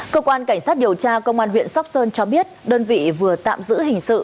cơ quan cảnh sát điều tra công an huyện sóc sơn cho biết đơn vị vừa tạm giữ hình sự